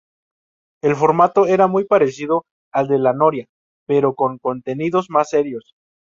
El formato era muy parecido al de "La Noria", pero con contenidos más serios.